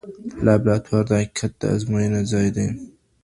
لابراتوار د حقیقت د ازموینې ځای دی.